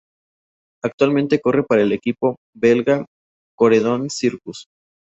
Actualmente corre para el equipo belga Corendon-Circus.